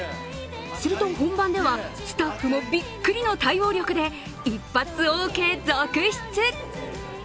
すると、本番ではスタッフもびっくりの対応力で一発オーケー続出！